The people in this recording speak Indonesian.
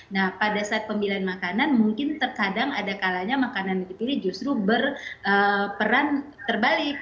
nah pada saat pemilihan makanan mungkin terkadang ada kalanya makanan yang dipilih justru berperan terbalik